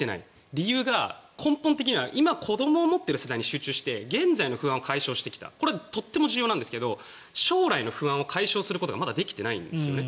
理由が根本的には今、子どもを持っている世代に集中して現在の不安を解消してきたこれはとても重要なんですが将来の不安を解消することがまだできていないんですよね。